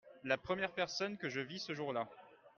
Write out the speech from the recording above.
La première personne que je vis ce jour-là…